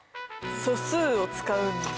素数を使うんです！